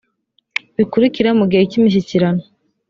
bikurikira mu gihe cy imishyikirano